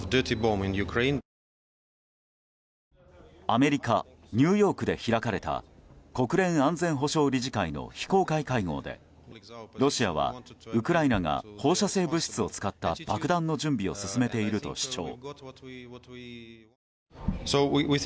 アメリカ・ニューヨークで開かれた国連安全保障理事会の非公開会合でロシアは、ウクライナが放射性物質を使った爆弾の準備を進めていると主張。